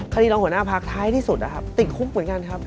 รองหัวหน้าพักท้ายที่สุดนะครับติดคุกเหมือนกันครับ